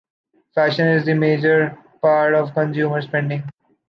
Fashion is a major part of consumer spending.